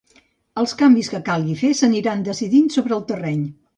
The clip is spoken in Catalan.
Els canvis que calgui fer s'aniran decidint sobre el terreny.